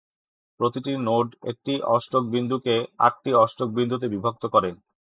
প্রতিটি নোড একটি অষ্টক বিন্দুকে আটটি অষ্টক বিন্দুতে বিভক্ত করে।